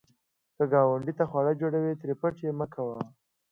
که ګاونډي ته خواړه جوړوې، ترې پټ یې مه کوه